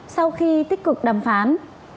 sau khi tích cực đàm phán